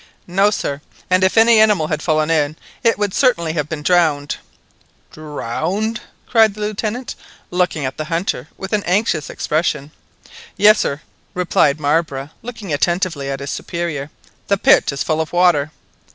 "No, sir; and if any animal had fallen in, it would certainly have been drowned!" "Drowned!" cried the Lieutenant, looking at the hunter with an anxious expression. "Yes, sir," replied Marbre, looking attentively at his superior, "the pit is full of water."